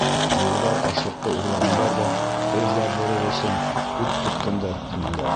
Бурҙар ашлыҡты урлағандар ҙа, эҙ яҙҙырыр өсөн, ут төрткәндәр, тинеләр.